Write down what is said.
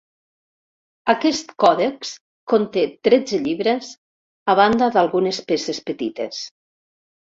Aquest còdex conté tretze llibres, a banda d'algunes peces petites.